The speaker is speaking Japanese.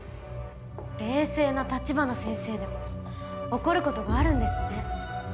冷静な立花先生でも怒ることがあるんですね。